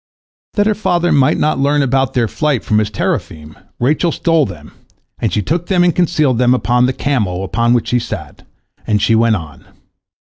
That her father might not learn about their flight from his teraphim, Rachel stole them, and she took them and concealed them upon the camel upon which she sat, and she went on.